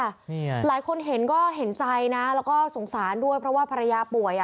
เนี่ยหลายคนเห็นก็เห็นใจนะแล้วก็สงสารด้วยเพราะว่าภรรยาป่วยอ่ะ